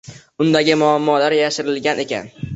Undagi muammolar yashirilgan ekan